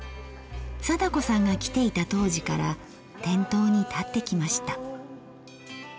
貞子さんが来ていた当時から店頭に立ってきました。